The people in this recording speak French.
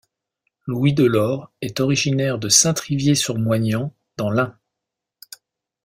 Louis Delort est originaire de Saint-Trivier-sur-Moignans dans l'Ain.